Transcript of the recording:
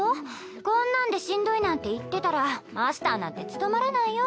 こんなんでしんどいなんて言ってたらマスターなんて務まらないよ。